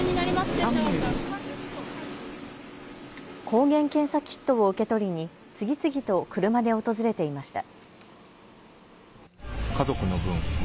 抗原検査キットを受け取りに次々と車で訪れていました。